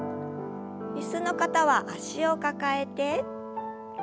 椅子の方は脚を抱えて。